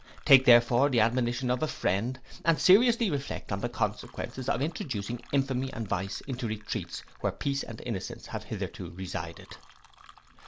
Take therefore the admonition of a friend, and seriously reflect on the consequences of introducing infamy and vice into retreats where peace and innocence have hitherto resided.